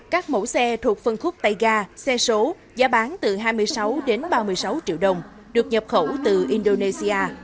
các mẫu xe thuộc phân khúc tay ga xe số giá bán từ hai mươi sáu đến ba mươi sáu triệu đồng được nhập khẩu từ indonesia